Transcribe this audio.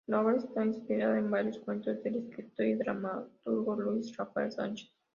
La obra está inspirada en varios cuentos del escritor y dramaturgo Luis Rafael Sánchez.